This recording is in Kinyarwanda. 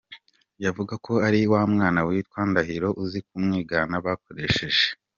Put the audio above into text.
Yavuga ko ari wa mwana witwa Ndahiro uzi kumwigana bakoresheje?